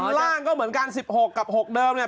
ล่างก็เหมือนกัน๑๖กับ๖เดิมเนี่ย